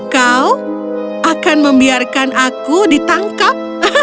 kau akan membiarkan aku ditangkap